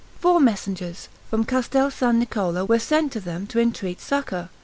Four messengers, from Castel San Niccolo, were sent to them to entreat succor.